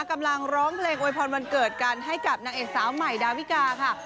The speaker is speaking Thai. ร้องเพลงโวยพรวันเกิดกันให้กับนางเอกสาวใหม่ดาวิกาค่ะ